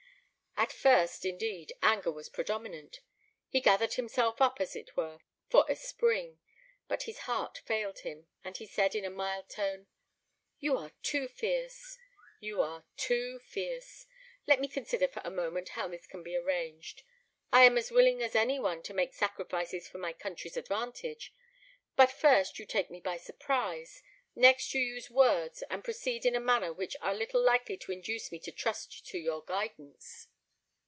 At first, indeed, anger was predominant; he gathered himself up, as it were, for a spring; but his heart failed him, and he said in a mild tone, "You are too fierce you are too fierce! Let me consider for a moment how this can be arranged. I am as willing as any one to make sacrifices for my country's advantage; but first you take me by surprise, next you use words and proceed in a manner which are little likely to induce me to trust to your guidance."